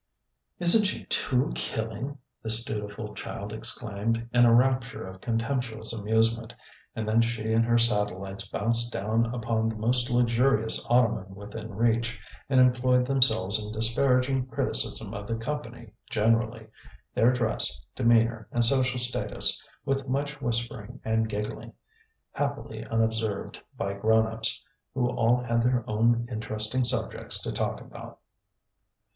"Isn't she too killing?" this dutiful child exclaimed, in a rapture of contemptuous amusement, and then she and her satellites bounced down upon the most luxurious ottoman within reach, and employed themselves in disparaging criticism of the company generally their dress, demeanour, and social status, with much whispering and giggling happily unobserved by grown ups, who all had their own interesting subjects to talk about.